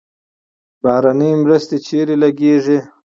بهرنۍ مرستې چیرته لګیږي؟